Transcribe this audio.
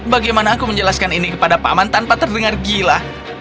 bagaimana aku menjelaskan ini kepada paman tanpa terdengar gila